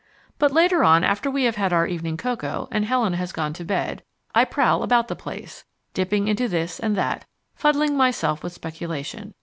But later on, after we have had our evening cocoa and Helen has gone to bed, I prowl about the place, dipping into this and that, fuddling myself with speculation.